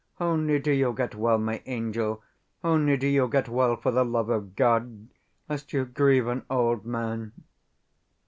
Only do you get well, my angel only do you get well, for the love of God, lest you grieve an old man.